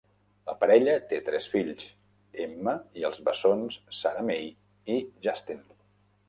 La parella té tres fills, Emma i els bessons SaraMai i Justin.